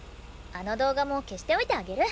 あの動画も消しておいてあげる。